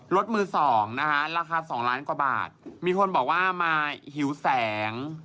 รถมือสองนะคะราคาสองล้านกว่าบาทมีคนบอกว่ามาหิวแสง